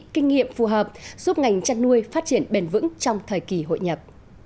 kinh nghiệm phù hợp giúp ngành chăn nuôi phát triển bền vững trong thời kỳ hội nhập